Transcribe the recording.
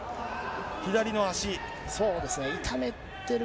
左の足。